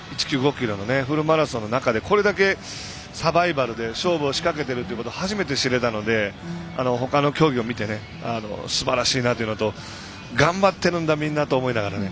ｋｍのフルマラソンの中でこれだけサバイバルで勝負を仕掛けていることを初めて知れたのでほかの競技を見てすばらしいなというのと頑張っているだと思いながらね。